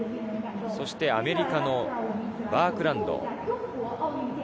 そしてアメリカのバークランド。